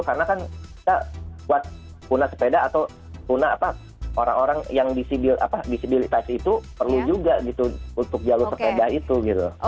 karena kan kita buat kuna sepeda atau kuna orang orang yang disibilitas itu perlu juga gitu untuk jalur sepeda itu gitu